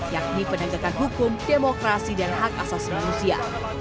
yakni penegakan hukum demokrasi dan hak asasi manusia